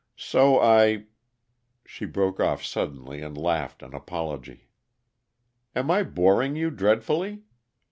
So I " She broke off suddenly and laughed an apology. "Am I boring you dreadfully?